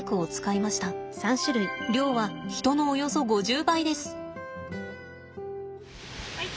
量は人のおよそ５０倍です。